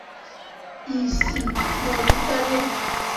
isii maọbụ karịa